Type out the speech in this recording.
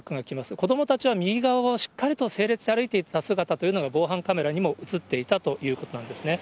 子どもたちは右側をしっかりと整列で歩いていた姿というのが、防犯カメラにも写っていたということなんですね。